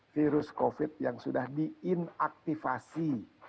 virus covid yang sudah di inaktivasi